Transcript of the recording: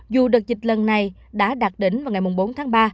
dù đợt dịch lần này đã đạt đỉnh vào ngày bốn tháng ba